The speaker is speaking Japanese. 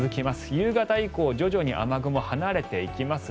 夕方以降徐々に雨雲が離れていきます。